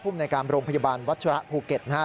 ผู้อำนวยการโรงพยาบาลวัชฌีระภูเก็ตนะครับ